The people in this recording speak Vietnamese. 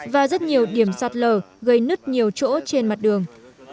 và rất nhiều điểm sạt lở gây nứt nhiều chỗ trên mặt đường